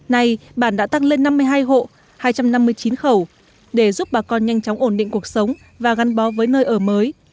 nay bản đã tăng lên năm mươi hai hộ hai trăm năm mươi chín khẩu để giúp bà con nhanh chóng ổn định cuộc sống và gắn bó với nơi ở mới